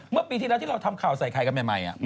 เมื่อปีที่แล้วที่เราทำข่าวใส่ไข่กันใหม่